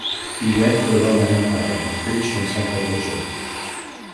He went to the Roman Empire and preached in Central Asia.